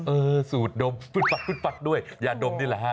เออสูดดมปึดปัดด้วยยาดดมนี่แหละฮะ